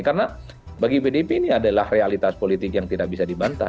karena bagi pdip ini adalah realitas politik yang tidak bisa dibantah